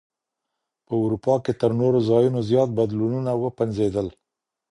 په اروپا کي تر نورو ځايونو زيات بدلونونه وپنځېدل.